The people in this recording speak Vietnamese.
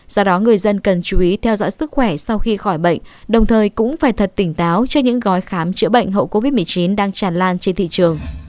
do đó người dân cần chú ý theo dõi sức khỏe sau khi khỏi bệnh đồng thời cũng phải thật tỉnh táo cho những gói khám chữa bệnh hậu covid một mươi chín đang tràn lan trên thị trường